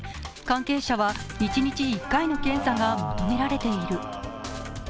関係者は一日１回の検査が求められている。